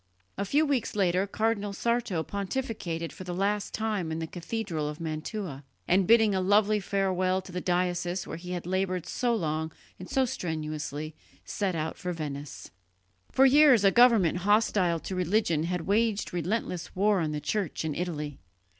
A few weeks later Cardinal Sarto pontificated for the last time in the cathedral of Mantua, and, bidding a loving farewell to the diocese where he had laboured so long and so strenuously, set out for Venice. For years a government hostile to religion had waged relentless war on the Church in Italy.